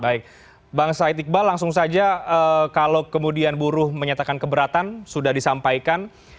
baik bang said iqbal langsung saja kalau kemudian buruh menyatakan keberatan sudah disampaikan